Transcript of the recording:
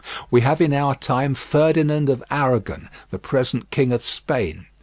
We have in our time Ferdinand of Aragon, the present King of Spain.